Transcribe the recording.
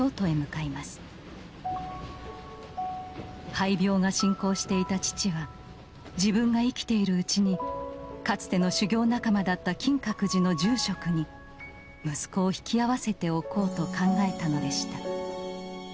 肺病が進行していた父は自分が生きているうちにかつての修行仲間だった金閣寺の住職に息子を引き合わせておこうと考えたのでした